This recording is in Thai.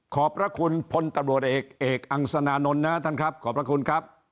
ขอบพระคุณพลตำรวจเอกเอกอังสนานนท์นะท่านครับขอบพระคุณครับ